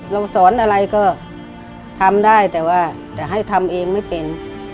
เราสอนอะไรก็ทำได้แต่ว่าจะให้ทำเองไม่เป็น